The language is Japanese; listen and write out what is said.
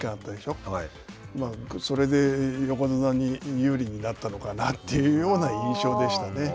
僕、それで横綱に有利になったのかなっていうような印象でしたね。